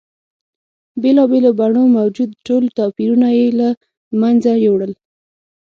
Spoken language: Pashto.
بېلا بېلو بڼو موجود ټول توپیرونه یې له منځه یوړل.